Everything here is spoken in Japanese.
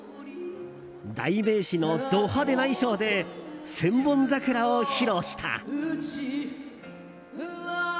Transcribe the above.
代名詞のド派手な衣装で「千本桜」を披露した。